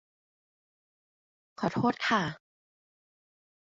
ขอโทษคะ